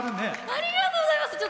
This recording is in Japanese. ありがとうございます。